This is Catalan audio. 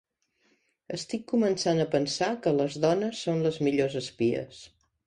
Estic començant a pensar que les dones són les millors espies.